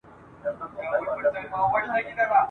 او د نورو خوږ بوی لرونکو شیانو تېل منل کېدل